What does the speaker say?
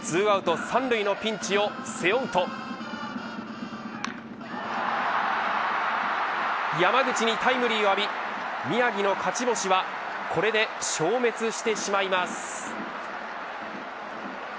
２アウト３塁のピンチを背負うと山口にタイムリーを浴び宮城の勝ち星はこれで消滅してしまいます。